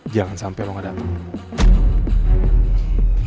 jangan sampai lo nggak dateng